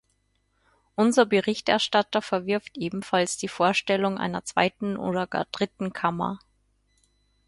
Unser Berichterstatter verwirft ebenfalls die Vorstellung einer zweiten oder gar dritten Kammer.